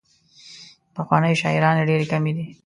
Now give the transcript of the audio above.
پخوانۍ شاعرانې ډېرې کمې وې.